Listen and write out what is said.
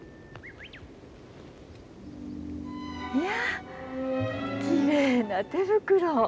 いやきれいな手袋。